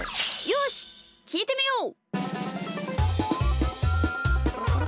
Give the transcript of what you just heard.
よしきいてみよう！